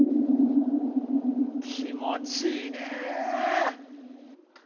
気持ちいいね。